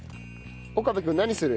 岡部君何する？